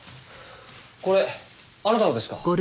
これあなたのですか？